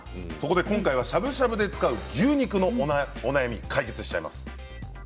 今回はしゃぶしゃぶで使う牛肉のお悩みを解決します。